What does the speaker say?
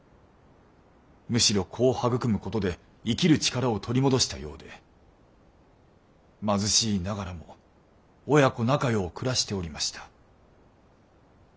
むしろ子を育むことで生きる力を取り戻したようで貧しいながらも親子仲よう暮らしておりました。